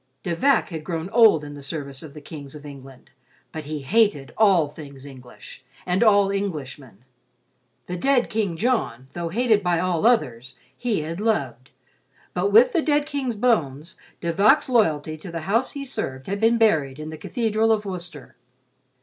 De Vac had grown old in the service of the kings of England, but he hated all things English and all Englishmen. The dead King John, though hated by all others, he had loved, but with the dead King's bones De Vac's loyalty to the house he served had been buried in the Cathedral of Worcester.